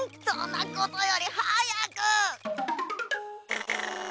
そんなことよりはやく！